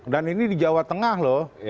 dan ini di jawa tengah loh